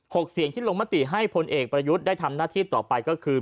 เสียงที่ลงมติให้พลเอกประยุทธ์ได้ทำหน้าที่ต่อไปก็คือ